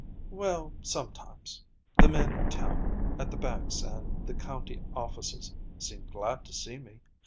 "Well, sometimes. The men in town, at the banks and the county offices, seem glad to see me.